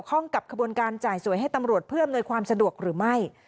ข้องกับขบวนการจ่ายสวยให้ตำรวจเพื่ออำนวยความสะดวกหรือไม่